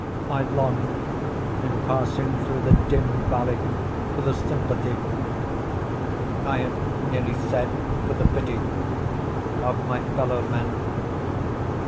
I long, in passing through the dim valley, for the sympathy—I had nearly said for the pity—of my fellow men.